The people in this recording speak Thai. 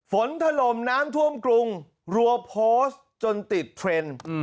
ถล่มน้ำท่วมกรุงรัวโพสต์จนติดเทรนด์